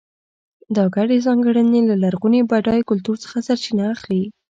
دا ګډې ځانګړنې له لرغوني بډای کلتور څخه سرچینه اخلي.